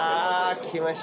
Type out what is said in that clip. きました。